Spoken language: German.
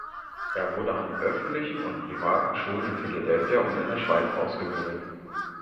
Er wurde an öffentlichen und privaten Schulen in Philadelphia und in der Schweiz ausgebildet.